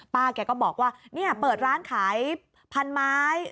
แกก็บอกว่าเนี่ยเปิดร้านขายพันไม้